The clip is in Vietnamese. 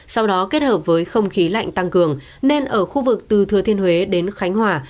sau đó kết hợp với không khí lạnh tăng cường nên ở khu vực từ thừa thiên huế đến khánh hòa